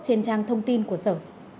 trên trang thông tin của sở